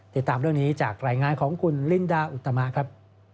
ติดตามเรื่องนี้จากรายงานของคุณลินดาอุตมาครับ